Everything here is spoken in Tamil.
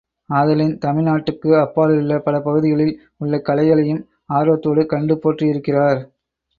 ஆதலின் தமிழ்நாட்டுக்கு அப்பாலுள்ள பல பகுதிகளில் உள்ள கலைகளையும், ஆர்வத்தோடு கண்டு போற்றியிருக்கிறார்.